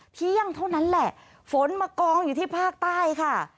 เที่ยงเท่านั้นแหละฝนมากองอยู่ที่ภาคใต้ค่ะ